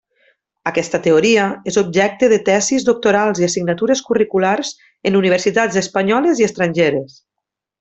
Aquesta teoria és objecte de tesis doctorals i assignatures curriculars en universitats espanyoles i estrangeres.